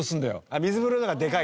水風呂の方がでかいから？